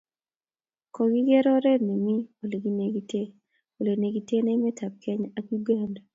kokiker oret nemii olenekite olengetekei emet ab Kenya ak Uganda